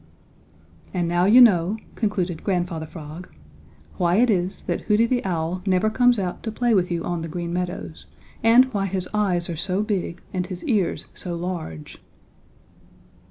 "And now you know," concluded Grandfather Frog, "why it is that Hooty the Owl never comes out to play with you on the Green Meadows, and why his eyes are so big and his ears so large."